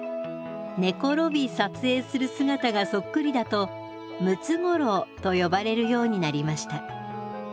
寝転び撮影する姿がそっくりだとムツゴロウと呼ばれるようになりました。